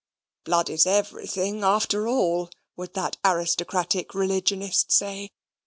"Blood is everything, after all," would that aristocratic religionist say.